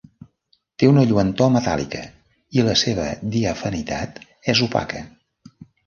Té una lluentor metàl·lica i la seva diafanitat és opaca.